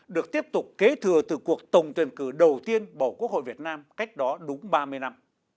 được tiếp tục kế thừa từ cuộc tổng tuyển cử đầu tiên bầu quốc hội việt nam cách đó đúng ba mươi năm